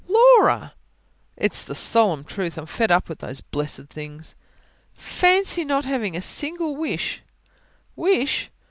"Laura!" "It's the solemn truth. I'm fed up with all those blessed things." "Fancy not having a single wish!"